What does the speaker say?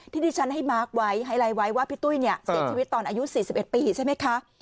ที่ที่ฉันให้มาร์คไว้ไฮไลท์ไว้ว่าพี่ตุ้ยเนี่ยเสียชีวิตตอนอายุ๔๑ปีใช่ไหมคะ